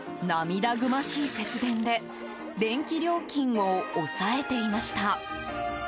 涙ぐましい節電で電気料金を抑えていました。